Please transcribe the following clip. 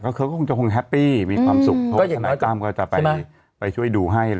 ก็คงจะแฮปปี้มีความสุขเพราะสถานกล้ามก็จะไปช่วยดูให้